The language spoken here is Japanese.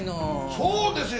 そうですよ！